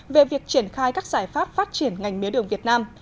về việc triển khai các giải pháp phát triển ngành mía đường việt nam